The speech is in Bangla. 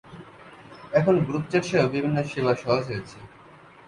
এখন গ্রুপ চ্যাটসহ বিভিন্ন সেবা সহজ হয়েছে।